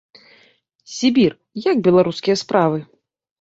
Сібір, як беларускія справы?